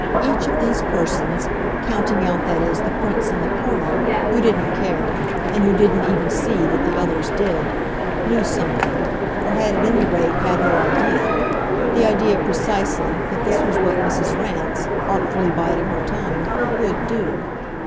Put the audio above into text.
Each of these persons counting out, that is, the Prince and the Colonel, who didn't care, and who didn't even see that the others did knew something, or had at any rate had her idea; the idea, precisely, that this was what Mrs. Rance, artfully biding her time, WOULD do.